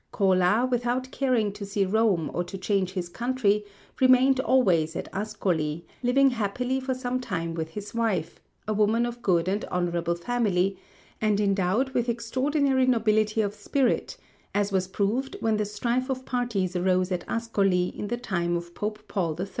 Cola, without caring to see Rome or to change his country, remained always at Ascoli, living happily for some time with his wife, a woman of good and honourable family, and endowed with extraordinary nobility of spirit, as was proved when the strife of parties arose at Ascoli, in the time of Pope Paul III.